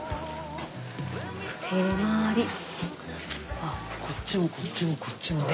あっこっちもこっちもこっちも「手毬」。